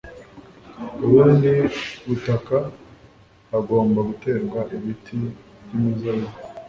ubundi butaka Hagomba guterwa ibiti byimizabibu